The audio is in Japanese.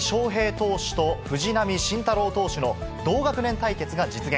投手と藤浪晋太郎投手の同学年対決が実現。